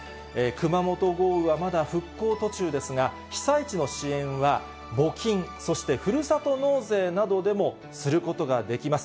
熊本豪雨は、まだ復興途中ですが、被災地の支援は募金、そして、ふるさと納税などでも、することができます。